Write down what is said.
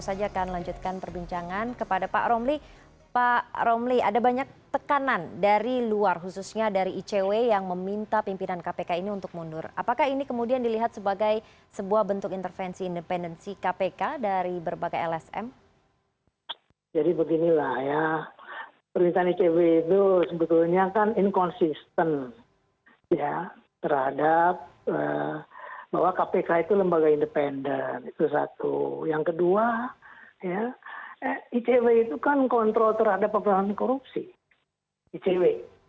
ternyata inconsisten ya terhadap bahwa kpk itu lembaga independen itu satu yang kedua icw itu kan kontrol terhadap pemberantanan korupsi icw